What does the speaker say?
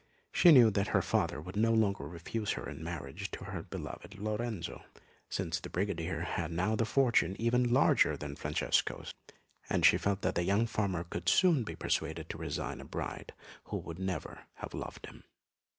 She knew that her father would no longer refuse her in marriage to her beloved Lorenzo, since the brigadier had now a fortune even larger than Francesco's, and she felt that the young farmer could soon be persuaded to resign a bride who would never have loved him.